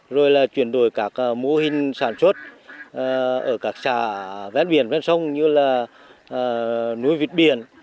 rồi là chuyển đổi các mô hình sản xuất ở các xã ven biển ven sông như là nuôi vịt biển